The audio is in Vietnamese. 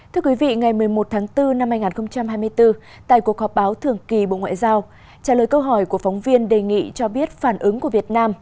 thưa quý vị ngày một mươi một tháng bốn năm hai nghìn hai mươi bốn tại cuộc họp báo thường kỳ bộ ngoại giao trả lời câu hỏi của phóng viên đề nghị cho biết phản ứng của việt nam